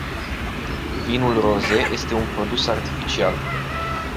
Vinul rosé este un produs artificial.